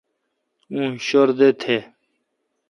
اون شردہ تھ۔